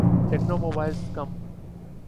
techno mobiles come